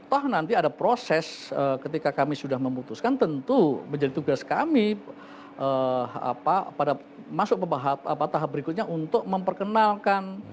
toh nanti ada proses ketika kami sudah memutuskan tentu menjadi tugas kami pada masuk ke tahap berikutnya untuk memperkenalkan